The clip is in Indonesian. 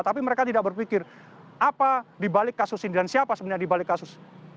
tapi mereka tidak berpikir apa dibalik kasus ini dan siapa sebenarnya dibalik kasus